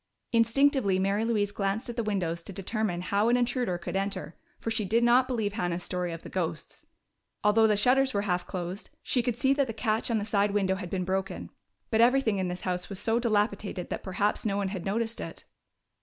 Instinctively Mary Louise glanced at the windows to determine how an intruder could enter, for she did not believe Hannah's story of the ghosts. Although the shutters were half closed, she could see that the catch on the side window had been broken. But everything in this house was so dilapidated that perhaps no one had noticed it.